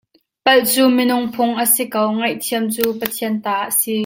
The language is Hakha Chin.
Palh cu minung phung a si ko, ngaihthiam cu Pathian ta a si.